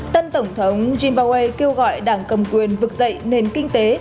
tân tổng thống zimbabwe kêu gọi đảng cầm quyền vực dậy nền kinh tế